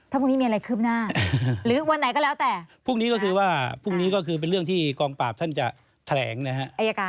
ถ้าพรุ่งนี้มีอะไรคืบหน้า